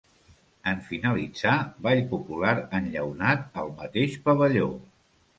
En finalitzar, ball popular "enllaunat" al mateix pavelló.